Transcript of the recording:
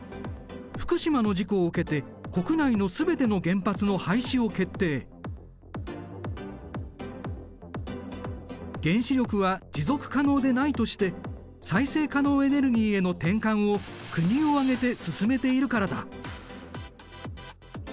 福島の事故を受けて原子力は持続可能でないとして再生可能エネルギーへの転換を国を挙げて進めているからだ。